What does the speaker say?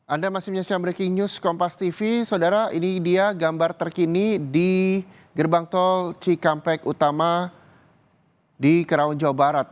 anda masih menyaksikan breaking news kompas tv saudara ini dia gambar terkini di gerbang tol cikampek utama di kerawan jawa barat